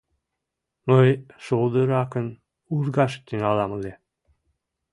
Мый шулдыракын ургаш тӱҥалам ыле...